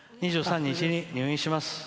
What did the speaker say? ２３日に入院します」。